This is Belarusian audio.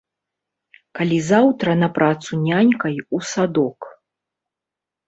Калі заўтра на працу нянькай у садок.